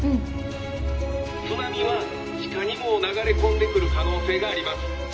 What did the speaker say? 「津波は地下にも流れ込んでくる可能性があります」。